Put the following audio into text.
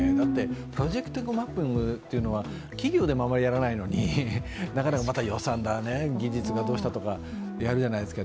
プロジェクションマッピングというのは企業でもあまりやらないのになかなかまた予算だ、技術がどうしたとかやるじゃないですか。